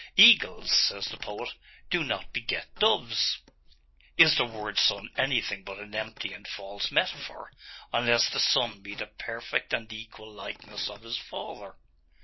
"Eagles," says the poet, "do not beget doves." Is the word son anything but an empty and false metaphor, unless the son be the perfect and equal likeness of his father?